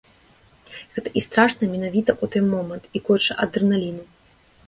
Гэта і страшна менавіта ў той момант, і куча адрэналіну.